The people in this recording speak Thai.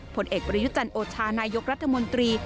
ผลเอกประยุจันโอชานายกรัฐมนตรี